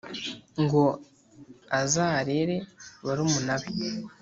Ngo azarere barumuna be